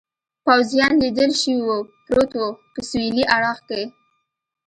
پوځیان لیدل شوي و، پروت و، په سهېلي اړخ کې.